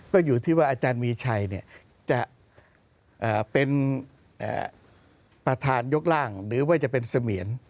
ก็อยู่ที่ว่าอาจารย์มีชัยจะเป็นประธานยกร่างหรือว่าจะเป็นเสมียร